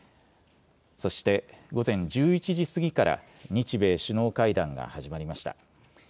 そして午前１１時過ぎから日米首脳会談が始まりました。